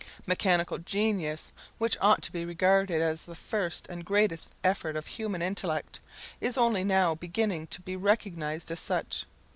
Mechanical genius, which ought to be regarded as the first and greatest effort of human intellect, is only now beginning to be recognised as such.